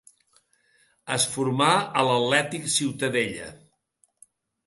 Es formà a l'Atlètic Ciutadella.